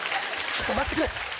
ちょっと待ってくれ。